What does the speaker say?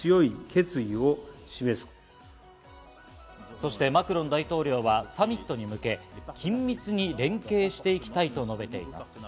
そしてマクロン大統領は、サミットに向け、緊密に連携していきたいと述べています。